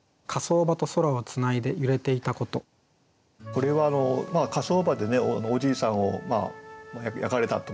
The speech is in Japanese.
これは火葬場でねおじいさんを焼かれたと思うんですね。